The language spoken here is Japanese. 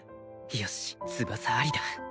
よし翼ありだ